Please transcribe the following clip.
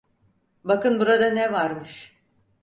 Bakın burada ne varmış?